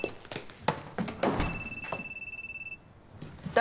誰？